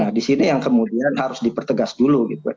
nah di sini yang kemudian harus dipertegas dulu gitu